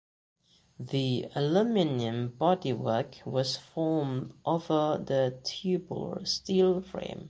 The aluminium bodywork was formed over the tubular steel frame.